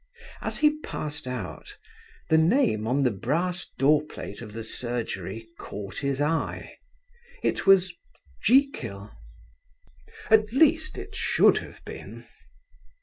As he passed out, the name on the brass door plate of the surgery caught his eye. It was 'Jekyll.' At least it should have been.